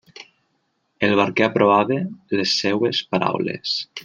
El barquer aprovava les seues paraules.